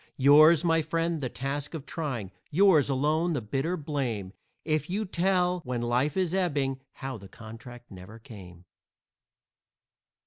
Yours, my friend, the task of trying; yours alone the bitter blame, If you tell, when life is ebbing, how the contract never came.